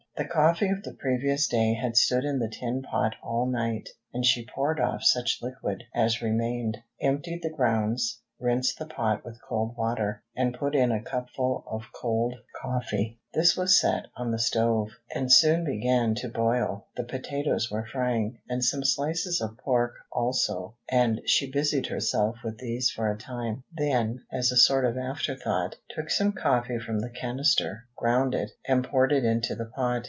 The coffee of the previous day had stood in the tin pot all night, and she poured off such liquid as remained, emptied the grounds, rinsed the pot with cold water, and put in a cupful of cold coffee. This was set on the stove, and soon began to boil. The potatoes were frying, and some slices of pork also, and she busied herself with these for a time; then, as a sort of afterthought, took some coffee from the canister, ground it, and poured it into the pot.